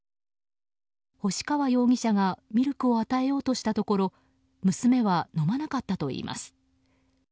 星川容疑者がミルクを与えようとしたところ娘は飲まなかったといいます。